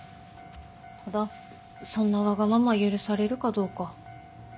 ただそんなわがまま許されるかどうか。